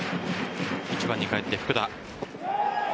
１番に返って福田。